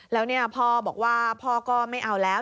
แล้วพ่อบอกว่าพ่อก็ไม่เอาแล้ว